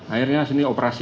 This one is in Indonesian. akhirnya sini operasi